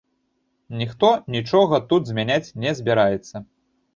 Ніхто нічога тут змяняць не збіраецца.